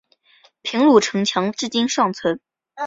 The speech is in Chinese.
平鲁城墙至今尚存。